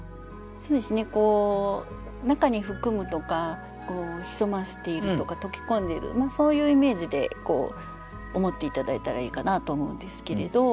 そうですね中に含むとか潜ませているとか溶け込んでいるそういうイメージで思って頂いたらいいかなと思うんですけれど。